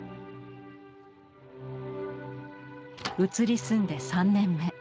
移り住んで３年目。